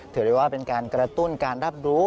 ถือได้ว่าเป็นการกระตุ้นการรับรู้